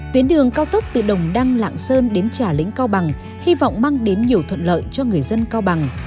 tuyến đường cao tốc từ đồng đăng lạng sơn đến trà lĩnh cao bằng hy vọng mang đến nhiều thuận lợi cho người dân cao bằng